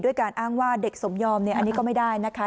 การอ้างว่าเด็กสมยอมอันนี้ก็ไม่ได้นะคะ